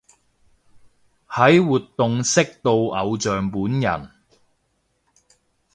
喺活動識到偶像本人